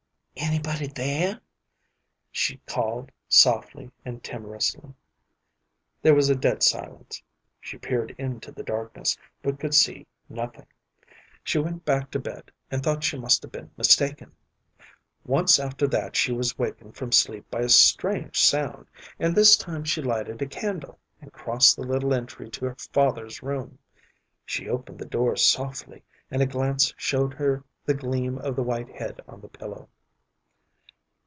"Anybody there?" she called, softly and timorously. There was a dead silence. She peered into the darkness, but could see nothing. She went back to bed, and thought she must have been mistaken. Once after that she was wakened from sleep by a strange sound, and this time she lighted a candle, and crossed the little entry to her father's room. She opened the door softly, and a glance showed her the gleam of the white head on the pillow.